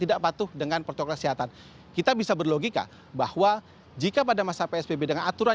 tidak patuh dengan protokol kesehatan kita bisa berlogika bahwa jika pada masa psbb dengan aturan